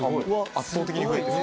圧倒的に増えてる。